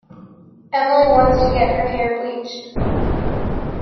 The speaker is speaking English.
Emily wants to get her hair bleached.